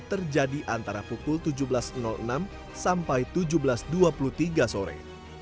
terjadi antara pukul tujuh belas enam sampai tujuh belas dua puluh tiga sore